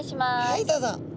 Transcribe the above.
はいどうぞ。